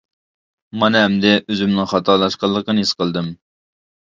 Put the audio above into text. مانا ئەمدى ئۆزۈمنىڭ خاتالاشقانلىقىنى ھېس قىلدىم.